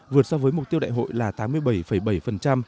vượt so với mục tiêu đại hội là tám mươi bảy bảy